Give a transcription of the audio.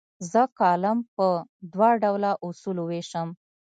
زه کالم په دوه ډوله اصولو ویشم.